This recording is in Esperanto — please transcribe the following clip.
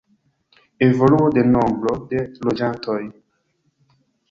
Evoluo de nombro de loĝantoj.